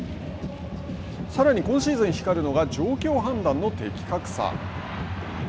さらに今シーズン光るのが、状況判断の的確さ。